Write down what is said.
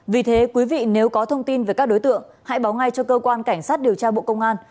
vì thế quý vị nếu có thông tin về các đối tượng hãy báo ngay cho cơ quan cảnh sát điều tra bộ công an